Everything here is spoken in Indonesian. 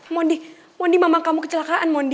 mondi mondi mama kamu kecelakaan mondi